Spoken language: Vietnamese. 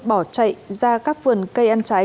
bỏ chạy ra các vườn cây ăn trái